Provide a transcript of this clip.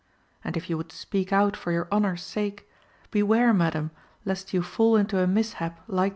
And if you would speak out for your honour's sake,(10) beware, madam, lest you fall into a mishap like to his own.